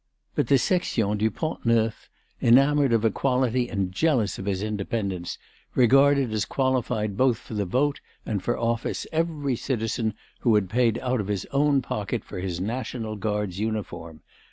But the Section du Pont Neuf, enamoured of equality and jealous of its independence, regarded as qualified both for the vote and for office every citizen who had paid out of his own pocket for his National Guard's uniform.